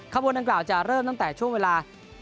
ขบวนดังกล่าวจะเริ่มตั้งแต่ช่วงเวลา